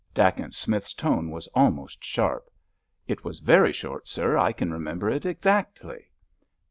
Dacent Smith's tone was almost sharp. "It was very short, sir. I can remember it exactly."